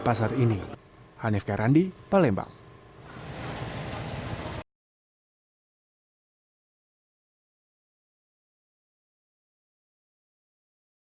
pasar pocong beroperasi setiap hari mulai pagi hingga sore hari